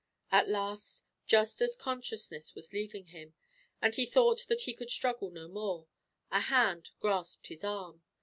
At last, just as consciousness was leaving him, and he thought that he could struggle no more, a hand grasped his arm.